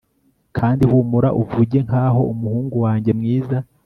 kandi humura uvuge ngaho umuhungu wanjye mwiza